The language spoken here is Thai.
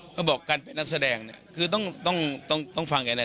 ก็บอกการเป็นนักแสดงเนี่ยคือต้องฟังไงนะ